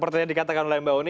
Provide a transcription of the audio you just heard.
yang dikatakan oleh mbak oni